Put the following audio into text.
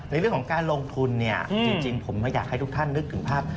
ในเรื่องของการลงทุนเนี่ยจริงผมก็อยากให้ทุกท่านนึกถึงภาพ